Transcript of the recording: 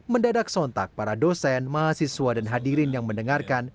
mendadak sontak para dosen mahasiswa dan hadirin yang mendengarkan